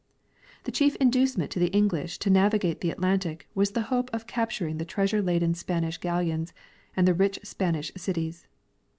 The chief inducement to the English to navigate the Atlantic was the hope of capturing the treasure laden Spanish galleons and the rich Spanish cities.